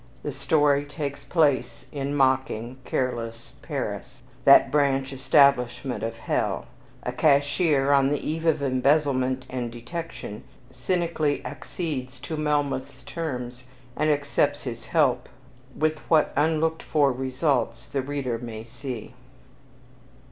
The story takes place in mocking, careless Paris, "that branch establishment of hell"; a cashier, on the eve of embezzlement and detection, cynically accedes to Melmoth's terms, and accepts his help with what unlooked for results, the reader may see.